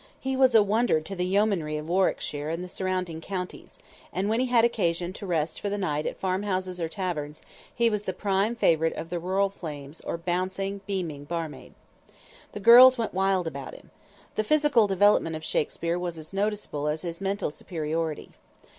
He was a wonder to the yeomanry of Warwickshire and the surrounding counties, and when he had occasion to rest for the night at farm houses or taverns, he was the prime favorite of the rural flames or bouncing, beaming barmaid. The girls went wild about him. The physical development of Shakspere was as noticeable as his mental superiority.